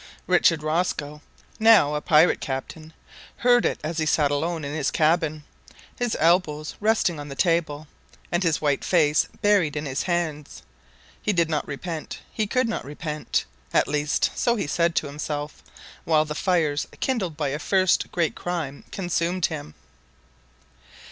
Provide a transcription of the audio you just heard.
Richard Rosco now a pirate captain heard it as he sat alone in his cabin, his elbows resting on the table, and his white face buried in his hands. He did not repent he could not repent; at least so he said to himself while the fires kindled by a first great crime consumed him.